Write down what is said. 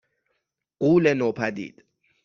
غولِ نوپدید